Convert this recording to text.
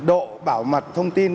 và độ bảo mật thông tin